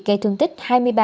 gây thương tích hai mươi ba